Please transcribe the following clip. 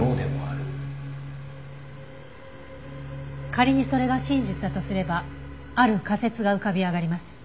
仮にそれが真実だとすればある仮説が浮かび上がります。